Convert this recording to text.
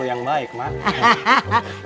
kayakinnya kau eksin kemana kagau